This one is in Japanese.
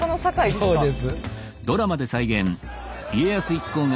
そうです。